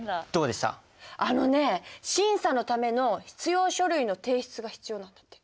あのね審査のための必要書類の提出が必要なんだって。